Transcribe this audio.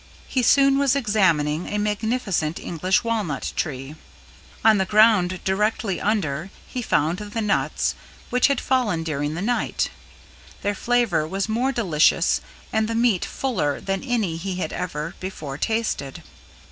He soon was examining a magnificent English Walnut tree. On the ground directly under he found the nuts, which had fallen during the night. Their flavor was more delicious and the meat fuller than any he had ever before tasted.